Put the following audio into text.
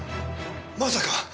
まさか。